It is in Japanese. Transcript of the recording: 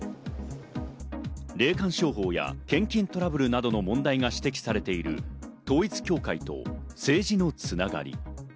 霊感商法や献金トラブルなどの問題が指摘されている統一教会と政治のつながり。